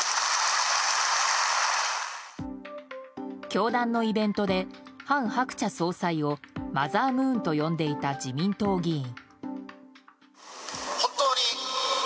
教団のイベントで韓鶴子総裁をマザームーンと呼んでいた自民党議員。